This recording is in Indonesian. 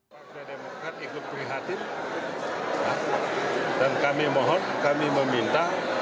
partai demokrat ikut prihatin dan kami mohon kami meminta